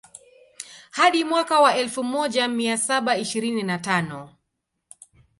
Hadi mwaka wa elfu moja mia saba ishirini na tano